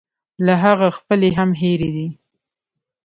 له هغه خپلې هم هېرې دي.